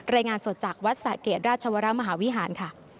รายงานสดจากวัดสะเกดราชวรมหาวิหารค่ะ